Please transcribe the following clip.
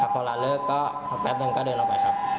พอร้านเลิกก็สักแป๊บนึงก็เดินออกไปครับ